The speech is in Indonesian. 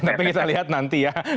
tapi kita lihat nanti ya